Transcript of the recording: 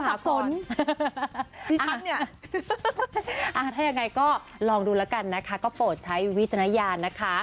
ดิฉันเนี่ยถ้ายังไงก็ลองดูแล้วกันนะคะก็โปรดใช้วิจารณญาณนะคะ